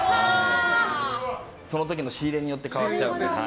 その時の仕入れによって変わっちゃうので。